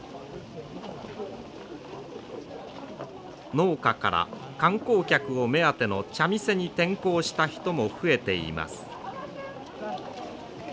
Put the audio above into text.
農家から観光客を目当ての茶店に転向した人も増えています。